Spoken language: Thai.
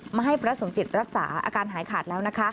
มาให้พระสมจิตรักษาอาการหายขาดแล้วนะคะ